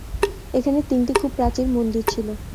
এখানে তিনটি খুব প্রাচীন মন্দির ছিল।